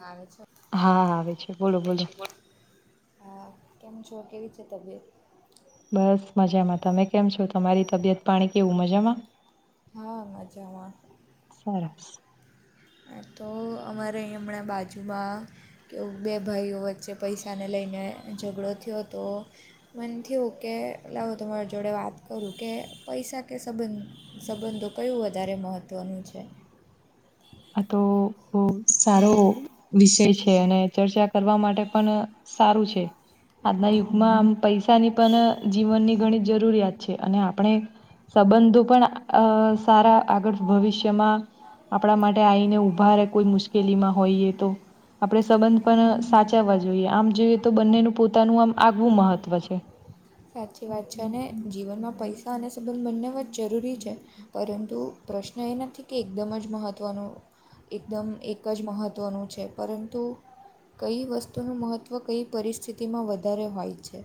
આવે છે હા આવે છે બોલો બોલો આ કેમ છો કેવી છે તબિયત? બસ મજામાં તમે કેમ છો તમારી તબિયત પાણી કેવું મજામાં? હા મજામાં. સરસ. તો અમારે હમણાં બાજુમાં કે બે ભાઈઓ વચ્ચે પૈસાને લઈને ઝઘડો થયો તો મન થયું કે એટલે હું તમારી જોડે વાત કરું કે પૈસા કે સંબંધ? સંબંધો કયું વધારે મહત્ત્વનું છે? આ તો બહ સારો વિષય છે અને ચર્ચા કરવા માટે પણ સારું છે. આજના હા યુગમાં આમ પૈસાની પણ જીવનની ઘણી જ જરૂરિયાત છે અને આપણે સંબંધો પણ સારા આગળ ભવિષ્યમાં આપડા માટે આવીને ઊભા ર કોઈ મુશ્કેલીમાં હોઈએ તો. આપણે સંબંધ પણ સાચવવા જોઈએ આમ જોઈએ તો બંનેનું પોતાનું આમ આગવું મહત્ત્વ છે. સાચી વાત છે અને જીવનમાં પૈસા અને સંબંધ બંને વ જરૂરી છે. પરંતુ પ્રશ્ન એ નથી કે એકદમ જ મહત્ત્વનો એકદમ એક જ મહત્ત્વનું છે પરંતુ કઈ વસ્તુનું મહત્ત્વ કઈ પરિસ્થિતિમાં વધારે હોય છે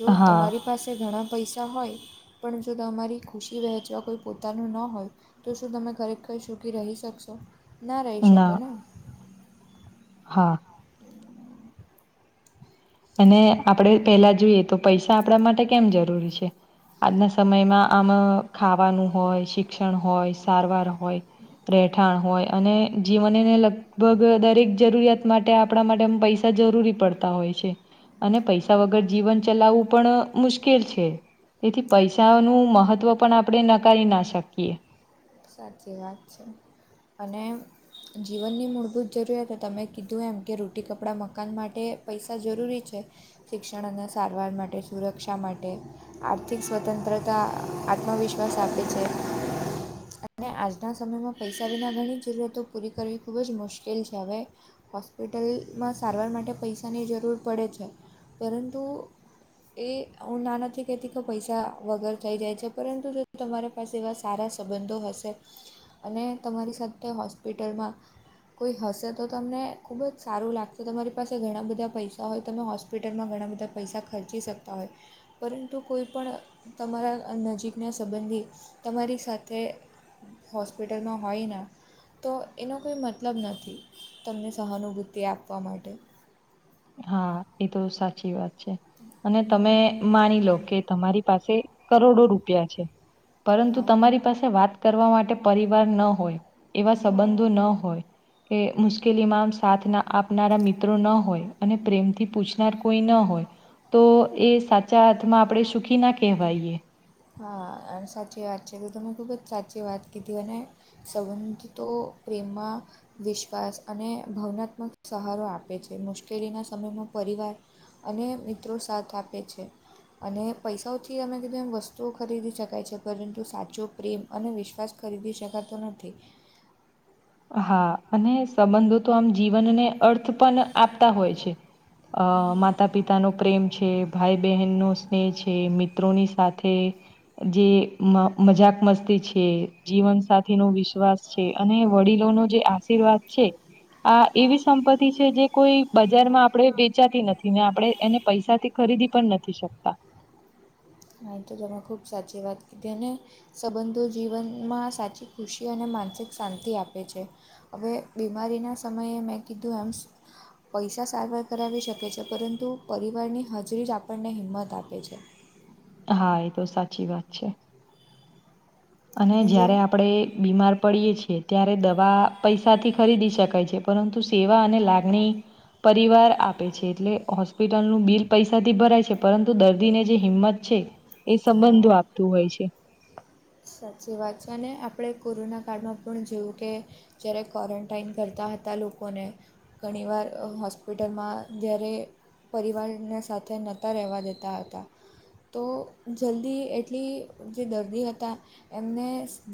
જો હા તમારી પાસે ઘણા પૈસા હોય પણ જો તમારી ખુશી વહેંચવા કોઈ પોતાનું ન હોય. તો શું તમે ખરેખર સુૂકી રહી શકશો ના રહી શકો ને. હા. એ. અને આપણે પેલા જોઈએ તો પૈસા આપણા માટે કેમ જરૂરી છે આજના સમયમાં આમ ખાવાનું હોય શિક્ષણ હોય સારવાર હોય રહેઠાણ હોય. અને જીવન એને લગભગ દરેક જરૂરિયાત માટે આપણા માટેમ પૈસા જરૂરી પડતા હોય છે. અને પૈસા વગર જીવન ચલાવવું પણ મુશ્કેલ છે તેથી પૈસાનુંું મહત્ત્વ પણ આપણે નકારી ના શકીએ. સાચી વાત છે અને. જીવનની મૂળભૂત જરૂરિયાતો તમે કીધું એમ કે રોટી કપડાં મકાન માટે પૈસા જરૂરી છે. શિક્ષણ અને સારવાર માટે સુરક્ષા માટે. આર્થિક સ્વતંત્રતા આત્મવિશ્વાસ આપે છે. અને આજના સમયમાં પૈસાારીના ઘણી જરૂરિયાતો પૂરી કરવી ખુબજ મુશ્કેલ છે હવે. હોસ્પિટલમાં સારવાર માટે પૈસાની જરૂર પડે છે પરંતુ. એ હું નાનાથી કહેતી કે પૈસા વગર થઈ જાય છે પરંતુ જો તમારે. પા જે એવા સારા સંબંધો હશે અને તમારી સાથે હોસ્પિટલમાં. કોઈ હશે તો તમને ખૂબજ સારું લાગશે તમારી પાસે ઘણા બધા પૈસા હોય તમે હો. હોસ્પિટલમાં ઘણા બધા પૈસા ખર્ચી શકતા હોય. પરંતુ કોઈ પણણ તમારા નજીકના સંબંધી તમારી સાથે. હોસ્પિટલમાં હોય ને. તો એનો કોઈ મતલબ નથી તમને સહાનુભૂતિ આપવા માટે. હા એ તો સાચી વાત છે અને તમે માની લો કે. તમારી પાસે કરોડો રૂપિયા છે પરંતુ હા તમારી. પા વાત કરવા માટે પરિવાર ન હોય એવા હા હા સંબંધો ના હોય. કે મુશ્કેલીમાં આમ સાથ ના આપનારા મિત્રો ન હોય. અને પ્રેમથી પૂછનાર કોઈ ના હોય. તો એ સાચા હાથમાં આપણે સુખી ના કહેવાયએ. હા અને સાચી વાત છે તો તમેમે ખૂબજ સાચી વાત કીધ અને. સંબંધ તો પ્રેમમાં. વિશ્વાસ અને ભાવનાત્મક સહારો આપે છે મુશ્કેલીના સમયમાં પરિવાર. અને મિત્રો સાથ આપે છે અને પૈસાઓથી અમે કીધું એ વસ્તુ. ો ખરીદી શકાય છે પરંતુ સાચો પ્રેમ અને વિશ્વાસ ખરીદી શકાતો નથી. હા અને સંબંધો તો આમ જીવનને અર્થ. પણ આપતા હોય છે માતા પિતાનો. પ્રેમ છે ભાઈ બહેનનોો સ્નેહ છે મિત્રોની સાથે. જે મજાક મસ્તી છે જીવનસાથી નો વિશ્વાસ છે અને. વડીલો નો જે આશીર્વાદ છે. આ એવી સંપત્તિ છે જે કોઈ બજારમાં આપડણે વેચાતી નથી ને આપણે. એને પૈસા થી ખરીદી પણ નથી શકતા અહી તો તમે ખૂબ સાચી વાત કીધી ને. સંબંધો જીવનમાં સાચી ખુશી અને માનસિક શાંતિ આપે છે. હવે બીમારીના સમયે મેં કીધું એમ. પૈસા સારવાર કરાવી શકે છે પરંતુ પરિવારની હજરી જ આપણને હિંમત આપે છે. હા એ તો સાચી વાત છે. અને જયારે આપણે બીમાર પડીયએ છીએ ત્યારે દવા પૈસા થી ખરીદી શકાય છે. પરંતુ સેવા અને લાગણી પરિવાર આપે છે એટલે. હોસ્પિટલનુંું બિલ પૈસાથી ભરાય છે પરંતુ દર્દીને જે હિંમત છે એ હા સંબંધો આપે. તુ હોય છે. સાચી વાત છે અને આપડે કોરોના કાળમાં પણ જોયું કે જ્યારે ક્વોરન્ટાઈન કરતા હતા લોકોને ઘણીવાર અ હોસ્પિટલમાં જ્યારે પરિવારને સાથે નહોતા રહેવા દેતા હતા તો જલ્દી એટલી જે દર્દી હતા એમને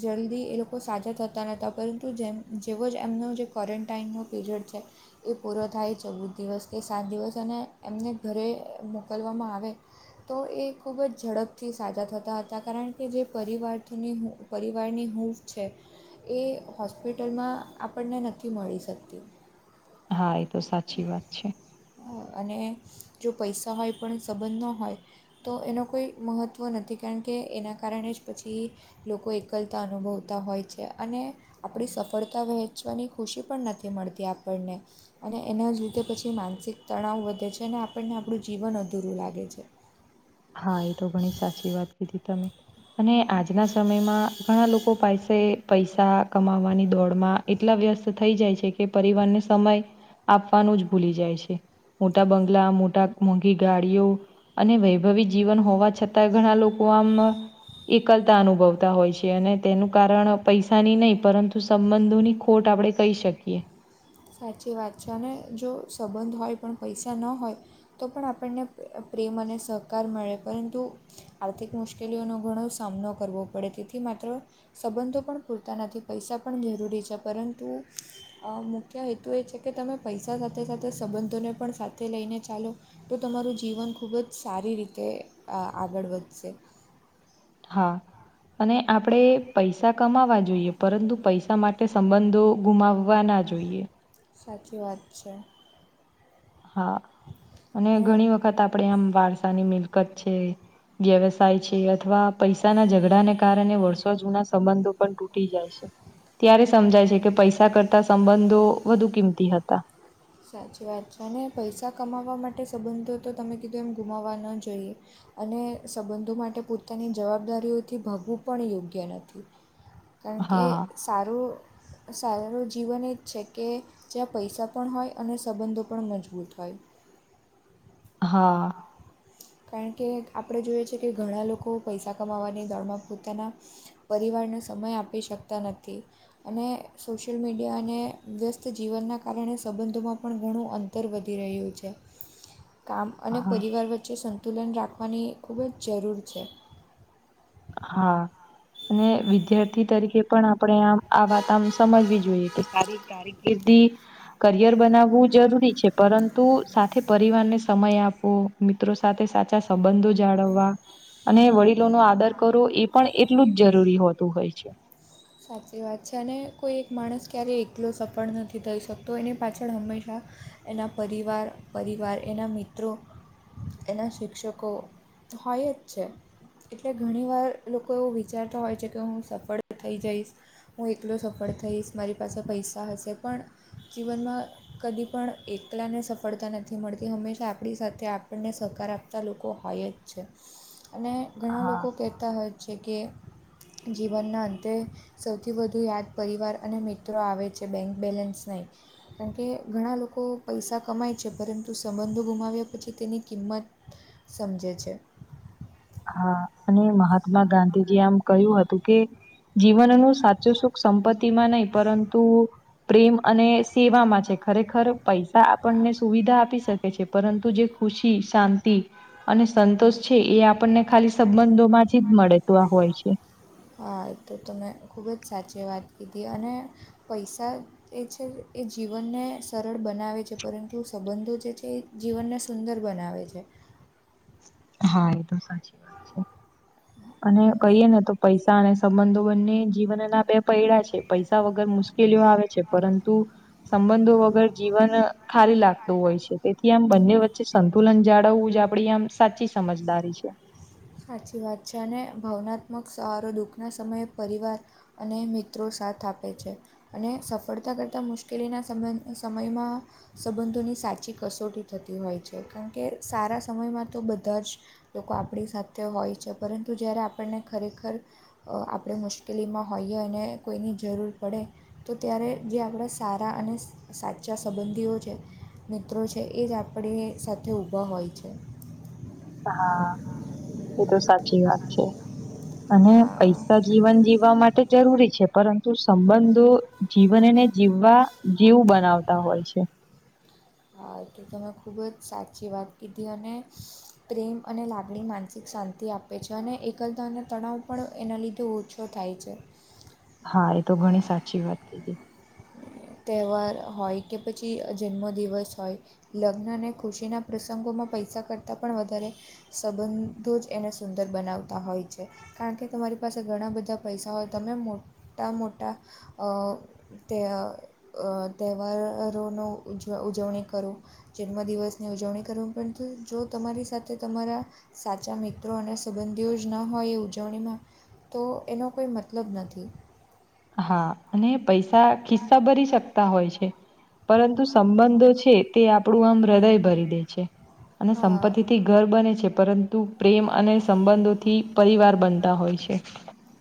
જલ્દી એ લોકો સાજા થતા નહોતા પરંતુ જેમ જેવો જ એમનો જે [unintelligible] પીરિયડ છે એ પૂરો થાય ચૌદ દિવસ કે સાત દિવસ અને એમને ઘરે મોકલવામાં આવે તો એ ખૂબ જ ઝડપથી સાજા થતા હતા કારણ કે જે પરિવાર [unintelligible] પરિવારની હૂફ છે. એ હોસ્પિટલમાં આપણને નથી મળી શકતી. હા એ તો સાચી વાત છે. અને જો પૈસા હોય પણ સંબંધ ન હોય તો એનો કોઈ મહત્ત્વ નથી કારણ કે એના કારણે જ પછી લોકો એકલતા અનુભવતા હોય છે અને આપણી સફળતા વહેંચવાની ખુશી પણ નથી મળતી આપણને. અને એના જ લીધે પછી માનસિક તણાવ વધે છે અને આપણને આપણું જીવન અધૂરું લાગે છે. હા એ તો ઘણી સાચી વાત કીધી તમે અને આજના સમયમાં ઘણા લોકો પાસે પૈસા કમાવાની દોડ માં એટલા વ્યસ્ત થઈ જાય છે કે પરિવારને સમય આપવાનું જ ભૂલી જાય છે. મોટા બંગલા મોટા મોંઘી ગાડીઓ અને વૈભવી જીવન હોવા છતાં ઘણા લોકો આમ એકલતા અનુભવતા હોય છે અને તેનું કારણ પૈસાની નહી પરંતુ સંબંધોની ખોટ આપડે કહી શકીએ. સાચી વાત છે અને જો સંબંધ હોય પણ પૈસા ન હોય તો પણ આપણને પ્રેમ અને સહકાર મળે પરંતુ આર્થિક મુશ્કેલીઓનો ઘણો સામનો કરવો પડે તેથી માત્ર સંબંધો પણ પૂરતા નથી પૈસા પણ જરૂરી છે પરંતુ અમ ખ્ય હેતુ એ છે કે તમે પૈસા સાથે સાથે સંબંધોને પણ સાથે લઈને ચાલો તો તમારું જીવન ખૂબ જ સારી રીતે આ આગળ વધશે. હા અને આપણે પૈસા કમાવા જોઈએ પરંતુ પૈસા માટે સંબંધો ગુમાવવા ના જોઈએ. સાચી વાત છે. હા અને ને ઘણી વખત આપણેે આમ વારસાની મિલકત છે વ્યવસાય છે અથવા પૈસા ના ઝઘડાને કારણે વર્ષો જૂના સંબંધો પણ તૂટી જાય છે. ત્યારે સમજાય છે કે પૈસા કરતા સંબંધો વધુ કિંમતી હતા. સાચી વાત છે અને પૈસા કમાવવા માટે સંબંધો તો તમે કીધું એમ ગુમાવવા ન જોઈએ. અને સંબંધો માટે પોતાની જવાબદારીઓથી ભાગવું પણ યોગ્ય નથી. [inaudible] કારણ કે સારું સારારું જીવન એ જ છે કે જ્યાં પૈસા પણ હોય અને સંબંધો પણ મજબૂત હોય. હા. કારણ કે આપણે જોઈએ છે કે ઘણા લોકો પૈસા કમાવાની દોડમાં પોતાના પરિવારને સમય આપી શકતા નથી. અને સોશિયલ મીડિયા અને વ્યસ્ત જીવનના કારણે સંબંધોમાં પણ ઘણું અંત તર વધી રહ્યું છે કામ અને હા પરિવાર વચ્ચે સંતુલન રાખવાની ખૂબ જ જરૂર છે. હા. અને વિદ્યાર્થી તરીકે પણ આપણે આમ આ વાત આમ સમજવી જોઈએ કે સારી [unintelligible] કારીકિર્દી કરિયર બનાવવું જરૂરી છે પરંતુ સાથે પરિવારને સમય આપવો મિત્રો સાથે સાચા સંબંધો જાળવવા અને વડીલો નો આદર- કરો એ પણ એટલું જ જરૂરી હોતું હોય છે. સાચી વાત છે અને કોઈ એક માણસ ક્યારેય એકલો સફળ નથી થઈ શકતો એની પાછળ હંમેશા એના પરિવાર પરિવાર એના મિત્રો હ [unintelligible] એના શિક્ષકો હોય જ છે. એટલે ઘણી વાર લોકો એવું વિચારતા હોય છે કે હું સફળ થઈ જઈશ. હું એકલો સફળ થઈશ મારી પાસે પૈસા હશે પણ- જીવનમાં કદી પણ એકલાને સફળતા નથી મળતી હંમેશા આપણી સાથે આપ- આપણને સહકાર આપતા લોકો હોય જ છે અને- ઘણા હા લોકો કહેતા હોય છે કે જીવનના- તે સૌથી વધુ યાદ પરિવાર અને મિત્રો આવે છે બેંક બેલેન્સ નહીં? કારણ કે ઘણા લોકો પૈસા કમાય છે પરંતુ સંબંધો ગુમાવ્યા પછી તેની કિંમત- સમજે છે. હા અને મહાત્મા ગાંધીજી આમ કહ્યું હતું કે જીવનનું- સાચો સુખ સંપત્તિ માં નહી પરંતુ પ્રેમ અને સેવામાંમાં છે ખરેખર- પૈસા આપણને સુવિધા આપી શકે છે પરંતુ જે ખુશી શાંતિ- અને સંતોષ છે એ આપણને ખાલી સંબંધો માંથી જ મળે તો આ હોય છે. હા તો તં ખૂબ જ સાચી વાત કીધી અને પૈસા- એ છે એ જીવનને સરળ બનાવે છે પરંતુ સંબંધો જે છે. એ- જીવનને સુંદર બનાવે છે. હા એ તો સાચી વાત છે અને કહીએ ને તો. પૈસા અને સંબંધો બંને જીવન ના બે પૈડા છે પૈસા વગર મુશ્કેલીઓ આવે. પરંતુ સંબંધો વગર જીવન ખારી લાગતું હોય છે. તેથી- એ આમ બંને વચ્ચે સંતુલન જાળવવું જ આપડી આમ સાચી સમજદારી છે. સાચી વાત છે અને ભાવનાત્મક સહારો દુઃખના સમયે પરિવાર- અને મિત્રો સાથ આપે છે. અને સફળતા કરતાં મુશ્કેલીના સમ સમયમાં- સંબંધોની સાચી કસોટી થતી હોય છે કારણ કે સારા સમયમાં તો બધા જ- લોકો આપણી સાથે હોય છે પરંતુ જય્યારે આપણને ખરેખર- આપણે મુશ્કેલીમાં હોઈએ અને કોઈની જરૂર પડે- તો ત્યારે જે આપણા સારા અને- સાચા સંબંધીઓ છે મિત્રો છે એ જ આપણી સાથે ઊભા હોય છે. હા એ તો સાચી વાત છે. અને હા પૈસા જીવન જીવવા માટે જરૂરી છે પરંતુ સંબંધો- જીવનને જીવવા જેવું બનાવતા હોય છે. એલે તમે ખૂબ જ સાચી વાત કીધી અને- પ્રેમ અને લાગણી માનસિક શાંતિ આપે છે અને એકલતા અને તણાવ પણ એના લીધે ઓછું- શું થાાય છે- હા એ તો ઘણી સાચી વાત કીધી. તહેવાર હોય કે પછી જન્મદિવસ હોય. લગ્ન અને ખુશીના પ્રસંગોમાં પૈસા કરતાં પણ વધારે- સંબંધો જ એને સુંદર બનાવતા હોય છે. કારણ કે તમારી પાસે ઘણા બધા પૈસા હોય તમે મોટા મોટા- તે તહેવારોનો ઉજવ ઉજવણી કરું- જન્મદિવસની ઉજવણી કરવામાં પરંતુ જો તમારી સાથે તમારા સાચા મિત્રો અને સંબંધીઓ જ ના હોય એ ઉજવણીમાં- તો એનો કોઈ મતલબ નથી. હા અને પૈસા ખિસ્સા ભરી શક હોય છે પરંતુ સંબંધો છે તે, આપણું આમ હૃદય ભરી દે છે. અને હા સંપત્તિ થી ઘર બને છે પરંતુ પ્રેમ અને સંબંધોથી પરિવાર બનતા હોય છે.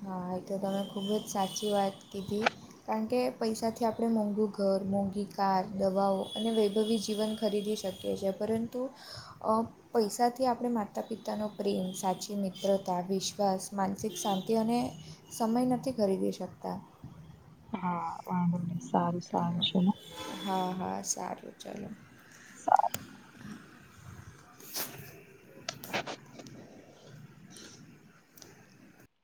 હા તો તમે ખૂબ જ સાચી વાત કીધી. કારણ કે પૈસાથી આપણે મોંઘું ઘર મોંઘી કાર દવાઓ અને વૈભવી જીવન ખરીદી શકીએ- શ છે પરંતુ પૈસાથી આપણે માતા પિતાનો- પ્રેમ સાચી મિત્રતા વિશ્વાસ માનસિક શાંતિ અને- સમય નથી ખરીદી શકતા. હા વાંધ ન સારું સારું છે. હા હા સારું ચલો. સાર [inaudible] [inaudible]